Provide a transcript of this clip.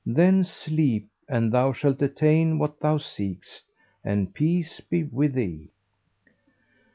Then sleep, and thou shalt attain what thou seekest, and peace be with thee'!